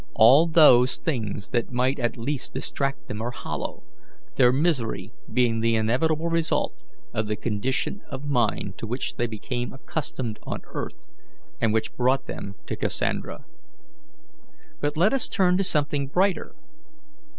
All those things that might at least distract them are hollow, their misery being the inevitable result of the condition of mind to which they became accustomed on earth and which brought them to Cassandra. But let us turn to something brighter.